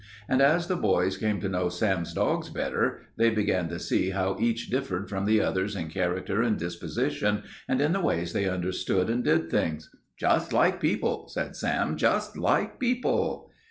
And as the boys came to know Sam's dogs better they began to see how each differed from the others in character and disposition and in the way they understood and did things. "Just like people," said Sam; "just like people."